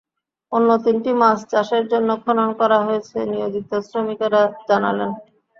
অন্য তিনটি মাছ চাষের জন্য খনন করা হয়েছে নিয়োজিত শ্রমিকেরা জানালেন।